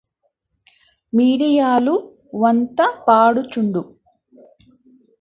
మీడియాలు వంత పాడు చుండు